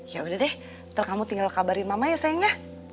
ya udah deh terus kamu tinggal kabarin mama ya sayangnya